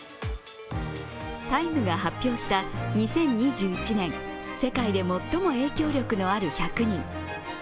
「タイム」が発表した２０２１年世界で最も影響力のある１００人。